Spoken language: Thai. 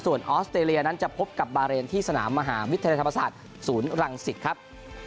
ส่วนออสเตรเลียนั้นจะพบกับบาเรนที่สนามมหาวิทยาลัยธรรมศาสตร์ศูนย์รังสิตครับ